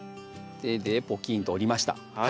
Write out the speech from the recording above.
手でポキンと折りました。